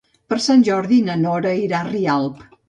Per Sant Jordi na Nora irà a Rialp.